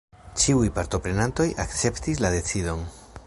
Ĉiuj partoprenantoj akceptis la decidon.